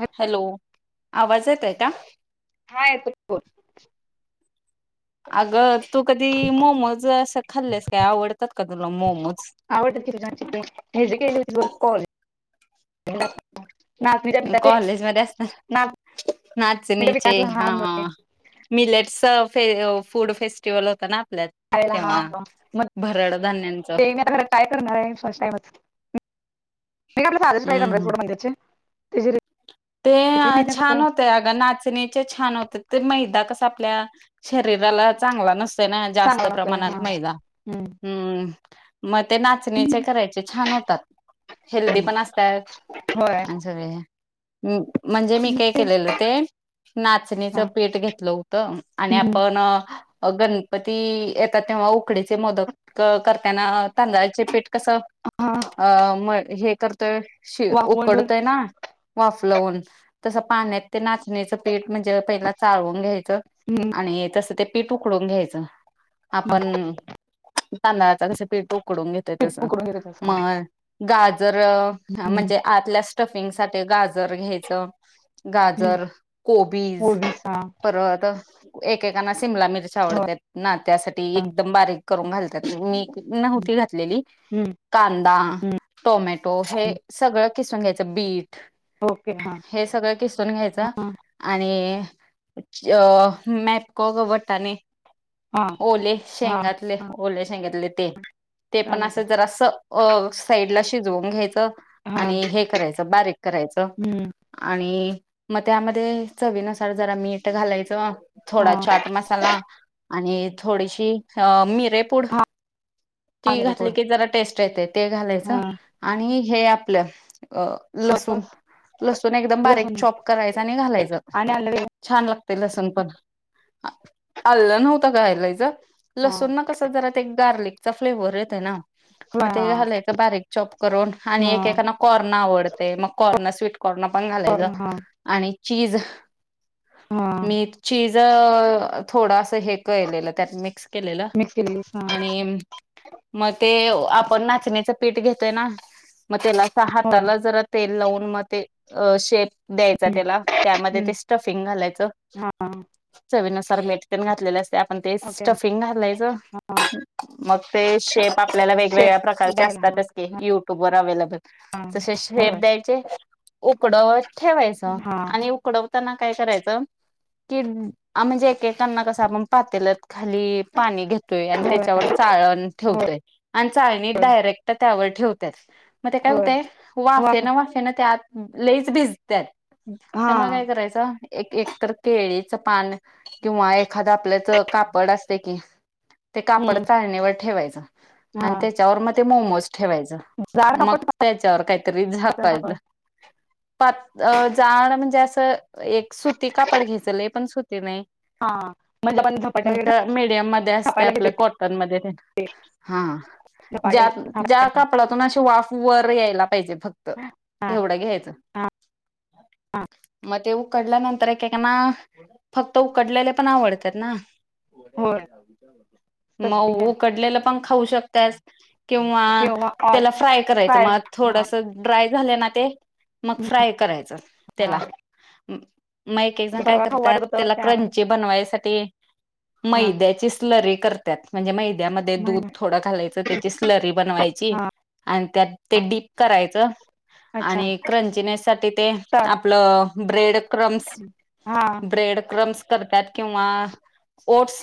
हॅ हॅलो. आवाज येत आहे का? हा येतो. बोल अगं तू कधी मोमोज असं खाल्लेस काय? आवडतात का तुला मोमोज? आवडत ती तुझची हे जे केली हो कॉल [unintelligible] नाचणीच्या पिठाचे. कॉलेजमध्ये असतात म ह बते [inaudible] मिलेटस फूड फेस्टिवल होत ना आपल्यात. ला तेव्हा म भरड धान्यांचं [inaudible] काय करणारे फर्स्ट टामच. [inaudible] मी साधश काय हम्म हम्म. त्याचे ते ते छान होतय अगं नाचणी छान होतात. ते मैदा कसा आपल्या शरीराला चगला नस ते ना. जास्त सांगावं लागतंय हा प्रमाणात मैदा. हम्म हम्म म ते नाचण्याचे करायच ते छान होतात. हेल्दी हम्म पण असतात. होय आणि सगळे अम म्हणजे मी काय तेच केलेलं ते हा नाचणीचं पीठ घेतलं होतं. आणि हम्म आपण गण पती येतात तेव्हा उकडीचे मोदक करताना. तांदळाचे पीठ कस हा अ म हे करतोय शि वाफवून घेऊन उकडतोय ना. वाफ लावून तसं पाण्यात ते नाचण्याचं पीठ म्हणजे पहिला चाळवून घ्यायचं. हम्म आणि तस ते पीठ उकडून घ्यायचं. हा आपण तांदळाचा कस पीठ उकडून घेत य पीठ तसं. उकडून घेते तसं म हा गाजर हम्म म्हणजे आतल्या स्टफिंग साठी ते गाजर घ्यायचं. हम्म गाजर, कोबीज परत एकेकाना शिमला मिरच होय आवडतेत ना त्यासाठी एकदम बारीक करून घालतात. मी हम्म नव्हती घातलेली. कांदा, हम्म टोमॅटो हे हम्म सगळं किसून घ्यायचं. बीट. ओके हां. हे सगळं किसून घ्यायचं. आणि अ मॅपको वट्टा आणि [unintelligible] हा ओले हा शेंगातले हा ओले शेंगातले ते ते पण कळालं की असं जरास अ साईडला शिजवून घ्यायचं हा आणि हे करायचं बारीक करायचं हम्म आणि म त्यामध्ये चवीनुसार जरा मीठ घालायचं हा थोडा चाट मसाला आणि थोडीशी अ मिरे पुड हा हा ती मेरे घातली फोड की जरा टेस्ट येतयं ते घालायचं हा आणि हे आपलं अ लस सुण सॉस लसूण एकदम बारीक लसूण चॉप करायच आणि घालायच आणि आलं वेग छान लागतयं लसूण पण आल्ल नव्हतं घायलाच हा लसूण ना कस त जरा ते एक गार्लिकचा फ्लेवर येतयं ना फ्ला म ते हा घालायचं बारीक चॉप करून आणि हा एकेकाना कॉर्न आवडतयं मग कॉर्न स्वीट कॉर्न पण घालायच कॉर्न हा आणि चीज हा मी चीज ज थोडं अस हे केलेलं त्यात मिक्स केलेलं मिक्स केलेली हा आणि म ते आपण नाचण्याच पीठ घेतोय ना म त्याला अस होय हाताला जरा तेल लावून म ते अ शेप द्यायचा हम्म त्याला त्यामध्ये हम्म ते स्टफिंग घालायचं हा चवीनुसार मीठ तेन घातलेले असतयं आपण ते ओके स्टफिंग घालायचं हा मग ते शेप आपल्याला शेप वेगवेगळ्या प्रकारचे द्यायला हा असतात ते ते युट्यूबवर अवेलेबल हा तसे होय शेप द्यायचे उकडवत ठेवायचं हा आणि उ उडवताना काय करायच की आ म्हणजे एकेकांना कसं आपण पातेल्यात खाली पाणी घेतोय आणि त्याच्यावर होय चाळण होय ठेवतोय आणि चाळणी डायरेक्ट त्यावर ठेव त्यात म ते काय होय होतय वाफे न वाफे न ते आत लईच भिजत्यात हा त्यामुळ काय करायचं एक एकतर केळीचं पान किंवा एखादं आपलेच कापड असते कि ते कापड हम्म चाळणीवर ठेवायचं हा आणि त्याच्यावर म ते मोमोज ठेवायचं जाड मग कापड का त्याच्यावर कायतरी पातळ झाकायला कापड पात अ जाड म्हणजे अस एक सुती कापड घेयच लय पण सुत हा म्हणलं पण [unintelligible] हूं त मीडियम मध्ये असतयं आपलं कॉटनमध्ये ते हा झपाटे ज्यात ज्या थापायचे कापडातून अशी वाफ वर यायला पाहिजे फक्त हा हा एवढं घ्यायचं हा म ते ऊकडल्या नंतर एकेकांना फक्त उकडलेले पण आवडत्यात ना होय म स्टफिंग उकडलेलं पण खाऊ शकत्यास किंवा त्याला फ्राय करायचं काय म अत हा थोडस ड्राय झालं ना ते मग फ्राय करायचं हा त्याला म एक ते एकजण काय परवा खाऊ करतात वाटत होत त्याला त्या क्रंची बनवायसाठी हा मैद्याची स्लरी करत्यात म्हणजे मैद्यामध्ये नाही दूध नाही थोडं घालायचं त्याची स्लरी बनवायची हा आणि त्यात ते हा डीप करायच अच्छा आणि क्रंचीनेस साठी ते तर आपलं ब्रेड क्रम हा ब्रेड क्रम्स करत्यात किंवा ओट्स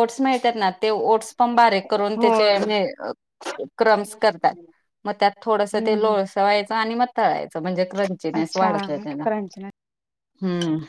ओट्स मिळत्या त ना ते ओट्स पण बारीक करून त्याचे होय हे क्रम्स करतात. म त्यात थोडंसं ते हम्म हम्म लोळसवायचं आणि म तळायचं म्हणजे क्रंचीनेस अच्छा वाढताय. [inaudible] हूं!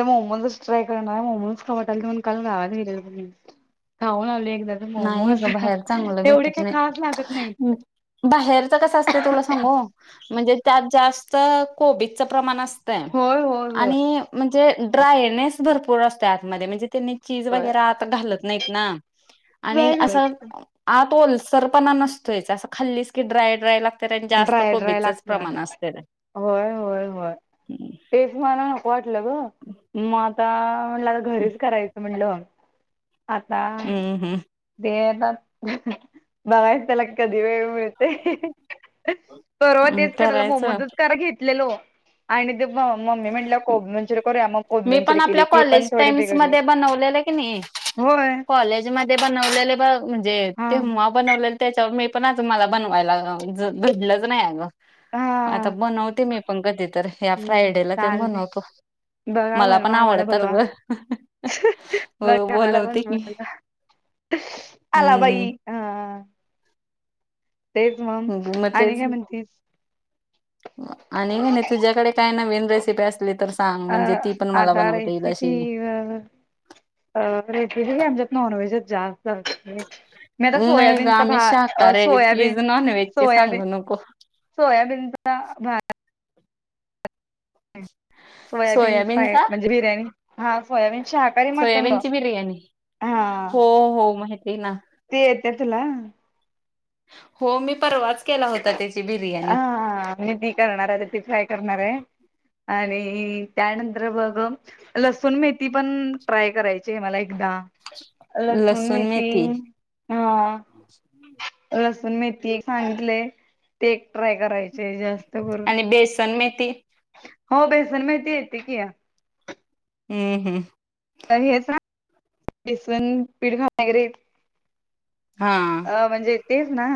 आ मोमोजच ट्राय करणार, मोमोज [unintelligible] खाऊन आली एकदा च नाही मोमोज, अगं बाहेर चांगलं येवढे भेटत काही नाही. खास लागत नाही. बाहेरच कस असतय तुला सांगू म्हणजे त्यात जास्त कोबिजच प्रमाण अस होय होय होय आणि म्हणजे ड्रायनेस भरपूर असतय आतमध्ये म्हणजे ते नी चीज होय वगैरे आत घालत नाहीत ना आणि ड्राय असं करायचं आत ओलसरपणा नसतोयच असं खाल्लीसं की ड्राय ड्राय ला अन ड्राय-ड्राय लागतयां होय, होय, होय. हम्म तेच मला नको वाटलं ग म आता म्हणल आता घरीच करायचं म्हणल आता. हूं हूं! ते येतात बघायचं त्याला कधी वेळ मिळ परवा हम्म तेच कराला करायचं. मोमोज च करा घेतलेलो. आणि ते मम्मी म्हणल्या कोब मनचूर करुया म. मी पण आपल्या कॉलेज टाइम्स मध्ये बनवलेलं की नाही होय कॉलेज. जे मध्ये बनवलेले ब म्हणजे हा ते मॉप. बनवले त्याच्याव मी पण अजून माला बनवायला अ ज घडलंच नाही अगं. आता हा बनवते मी पण कधी तर या हम्म फ्रायडेला तेन चालतंय बनवतो. बघा मला पण बनवा आम्हाला आवडतात बोलवा. ग. हो बघा आम्हाला बोलवते पण की आला हूं! बाई हा तेच मंग मग आणि तेच काय म्हणतीस? आणि काय नाही, तुझ्याकडे काय नवीन रेसिपी असली तर सांग अ म्हणजे ती पण मला आता बनवता येईल रेसीपी अशी अ अ [unintelligible] आमच्यात नॉनव्हेजच जास्त असते व्हयं. नाहीत नाही ग सोयाबीनचा आम्ही भा अ शाकाहारी आहे प्लीज सोयाबीन, नॉनव्हेज ची सोयाबीन सांगू नको सोयाबीनचा भात. सोयाबीन फ्राय सोयाबीनचा म्हणजे बिर्याणी. हा सोयाबीन शाहाकारी मटन ग सोयाबीनची बिर्याणी हा. हो हो माहिती ना. ते येते तुला. हो मी परवाच केला होता त्याची बिर्याणी. हा मी ती करणार आहे, ती फ्राय करणार आहे, आणि त्यानंतर बघ लसूण मेथी, पण ट्राय करायची आहे मला एकदा. लसून मेथी हा. [inaudible] लसुण मेथी एक सांगितलेय, ते एक ट्राय करायचे जास्त करून. आणि बेसन मेथी हो बेसनमेथी येते की या. हूं हूं! तर हेच ना [unintelligible] बेसन पिठ [unintelligible] वगैरे. हा! म्हणजे तेच ना?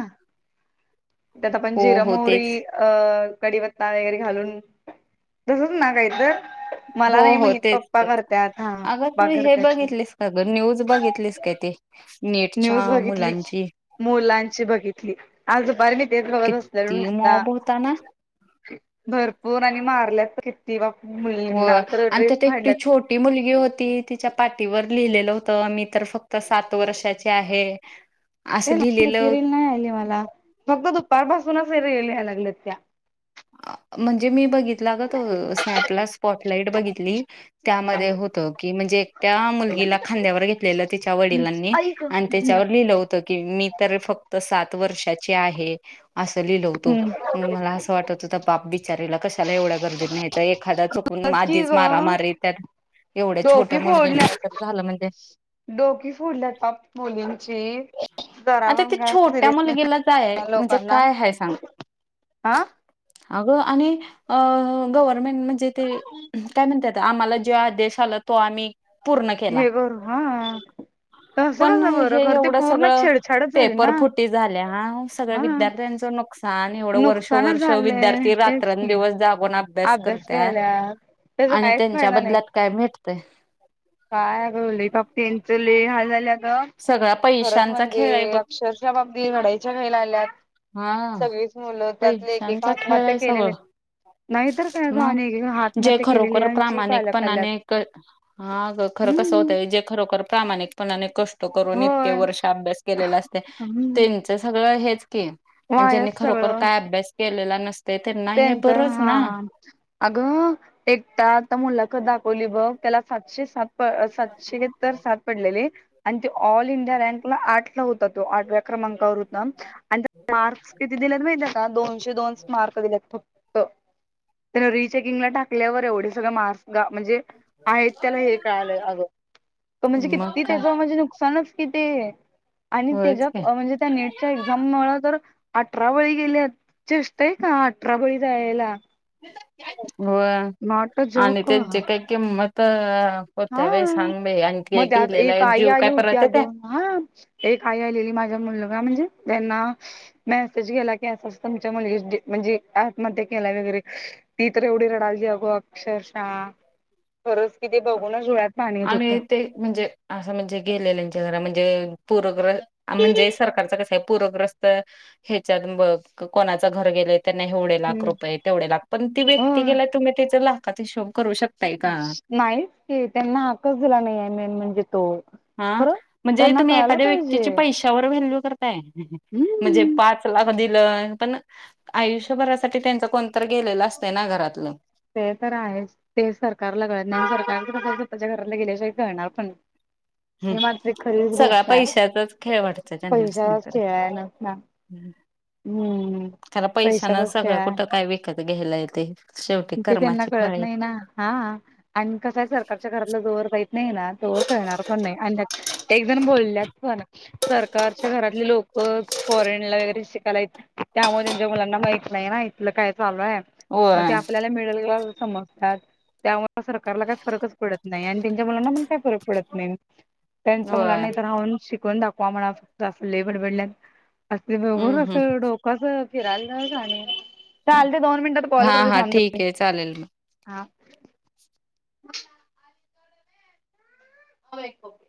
त्यात आपण हो हो जिरमोहरी. तेच अ कडीपत्ता वगैरे घालून तसच ना काहीतर हो हो तेच हा तेच अग तू पप्पा हे करत्यात बघितलीस आग न्यूज बघितलीस काय ते नेटच्या न्यूज बघितली की मुलांची मुलांची बघितली आज दुपारी मी तेच बघत बसल्यालो किती नुसता मॉब होता ना भरपूर आणि मारल्यात किती बाघ मुलींना तर ड्रेस फाडल्यात ती मुलगी होती तिच्या पाठीवर लिहिलेलं होतं मी तर फक्त सात वर्षाची आहे. [inaudible] ती नाही लिहिलेलं ती रील नाही आली मला फक्त दुपारपासूनच रील या लागल्यात त्या म्हणजे मी बघितला अग तो स्नॅपला स्पॉटलाईट बघितली हा त्यामध्ये हम्म होत की म्हणजे त्या मुलगीला खांद्यावर घेतलेलं तिच्या वडिलांनी आणि त्याच्यावर लिहिलं होत त की मी तर फक्त सात वर्षाची आहे अस लिलवतो हम्म. मला असं वाटत होत बाप बिचारीला कशाला एवढ्या गर्दीत न्यायचा एखादा चुक पण खरंच की आधीच ग मारामारी त्यात एवढ्या डोकी छोट्या मुलगीला फोडल्या काहीतर झालं म्हणजे डोकी फोडल्यात पाप मुलींची जरा आता ते पण काय छोट्या सिरियसनेस मुलगीला जाय नादी म्हणजे लोकांना. काय आ आगं आणि अ गव्हर्मेंट म्हणजे ते काय म्हणत्यात आम्हाला जो आदेश आला तो आम्ही पूर्ण केला हे बर हा तसं पण कसं बरं हे खर ते एवढं पूर्ण सगळं छेडछाडच झाली ना? पेपर फुटी हा त आन आती एवढं वर्ष नुकसानच वर्ष झालंय विद्यार्थी तेच की रात्रंदिवस जागूण अभ्यास करत्यात घ्यायला त्याचा आणि काहीच त्यांच्या फायदा नाही बदल्यात काय मीटतय? काय आग लई पाप त्यांचं लय हाल झालं त सगळा खरंच पैशांचा म्हणजे खेळ आहे बघ अक्षर -शा पाप ती रडायच्या घाईला आल्यात हा सगळीच मुलं त्यातले एकेक पैशांचा आत्महत्या केलेले. नाही तर म जे खरोखर पालक आल्यात प्रामाणिकपणाने हा ग खरं कसं हम्म. होतय जे खरोखर प्रामाणिक पणाने कष्ट करून इतके होय वर्ष अभ्यास केलेल असतय हम्म. त्यचं सगळं हेच की आणि ज्यांनी वायाच खरोखर सगळं काय अभ्यास केलेला नसतय त्यांना हे त्यांच बरच हा अगं एकटा आता मुलाखत दाखवली बघ त्याला सातशे सात सातशे किती तर सात पडलेली आणि ते ऑल इंडिया रँक ला आठ ला होता तो आठव्या क्रमांकावर होता आणि त्याला मार्क्स किती दिलेत माहिती आहे का दोनशे दोनस् मार्क्स दिलेत त्याला रिचेकिंगला टाकल्यावर एवढे सगळे मार्क्स गा म्हणजे आहेत त्याला हे कळालं आग म्हणजे तो मग किती काय त्याच म्हणजे नुकसानच कि ते आणि होयच काय त्यज्यात म्हणजे त्या नेट च्या एक्झाम मूळतर अठरा बळी गेल्यात चेष्टाय का अठरा बळी जायायला व्हय अ आणि जोक त्यांचे हा काही किंमत होत्या बाई सांग बाई आणि ते मग त्यात गेलेला एक आई जीव आली काय होती परत येतोय? अगं हा एक आई आलेली माझ्या मुलगा म्हणजे त्यांना मेसेज गेला की असं असं तुमच्या मुलगीच डे म्हणजे आत्महत्या केलाय वगैरे ती तर एवढी रडालती अग अक्षरशः खरच कि ती बघूनच डोळ्यात पाणी येत होतं. आम्ही ते म्हणजे असं म्हणजे गेलेल्यांच्या घरा म्हणजे पूरग्र म्हणजे सरकारच कस आहे पूरग्रस्त हे, चालून कोणाचं घर गेलय. त्यांना एवढे लाख हम्म रुपय, तेवढे लाख पण ती व्यक्ती होय गेलाय. तुम्ही त्याच लाखात हिशोब करू शक नाहीच की, त्यांना हक्कच दिला नाही मेन म्हणजे तो हा, खरं म्हणजे त्यांना तुम्ही कळायला एखाद्या पाहिजे व्यक्तीची पैशावर व्हॅल्यू करताय [unintelligible] म्हणजे पाच लाख दिलय. पण आयुष्यभरासाठी त्यांच कोण तर गेलेलं असत ना घरातल. ते तर आहेच. ते सरकारला कळत नाही. सरकारच स्वतःच्या घराला गेल्याशिवाय कळणार पण नाही. हम्म, सगळा आहे पैशाचाच खेळ वाटतोय तेनासनी पैशाचाच तरी, खेळ आहे ना. हम्म. त्याला पैशान पैशाचाच खेळ सगळं आहे. कुठं काय विकत घ्यायला येतय. ते त्यांना कळत नाही ना, हा, आणि कस हाय, सरकारच्या घरातलं जोवर जात नाही ना, तोवर कळणार पण नाही आणि एकजण बोलल्यात पण, सरकारच्या घरातले लोक फॉरेनला वगैरे शिकायला येतात. त्यामुळ त्यांच्या मुलांना माहित नाही. ना इथलं काय चालू हाय मग होय त्या आप त्याला मिडल लोल समजतात. त्यामुळे सरकारला काय फरकच पडत नाही. आणि त्यांच्या मुलांना पण काय फरक पडत नाही. त्याच्या होय. मुलांना इथं राहून शिकवून दाखवा म्हणाव अस लय बडबडल्यात. आज ती दोघं हम्म हम्म. कसं डोक असं फिरायला जाणे, चालतय दोन मिनिटात कॉल हा करते हा, थांब ठीक आहे चालेल मग हा, [inaudible] [unintelligible]